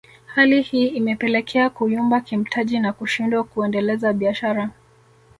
Hali hii imepelekea kuyumba kimtaji na kushindwa kuendeleza biashara